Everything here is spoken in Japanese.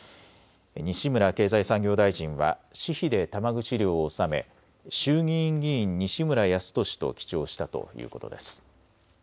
西村経済産業大臣は私費で玉串料を納め衆議院議員西村康稔と記帳したということです。